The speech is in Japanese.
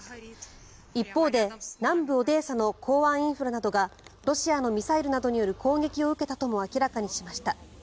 一方で、南部オデーサの港湾インフラなどがロシアのミサイルなどによる攻撃を受けたとも明らかにしました。